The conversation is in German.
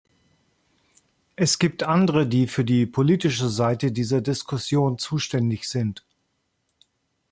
Es gibt andere, die für die politische Seite dieser Diskussion zuständig sind.